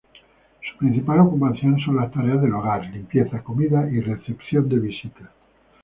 Su principal ocupación son las tareas de hogar, limpieza, comida y recepción de visitas.